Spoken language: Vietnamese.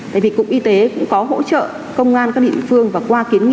tại vì cục y tế cũng có hỗ trợ công an các địa phương và qua kiến nghị